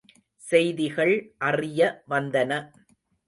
செய்திகள் அறிய வந்தன.